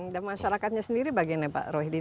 dan masyarakatnya sendiri bagaimana pak rohi